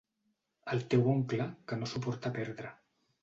El teu oncle, que no suporta perdre.